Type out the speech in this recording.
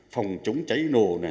phòng chống cháy nồ